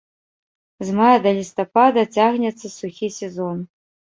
З мая да лістапада цягнецца сухі сезон.